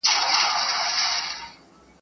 هغه غر، هغه ئې کربوړی.